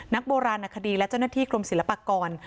นักโบราณอคดีและเจ้าหน้าที่กรมศิลปากร